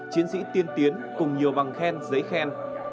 chiến sĩ tiên tiến cùng nhiều bằng khen giấy khen